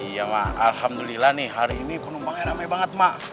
iya mak alhamdulillah nih hari ini penumpangnya ramai banget mak